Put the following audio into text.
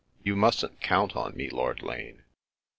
You mustn't count on me, Lord Lane."